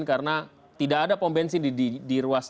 karena tidak ada pombensi di ruas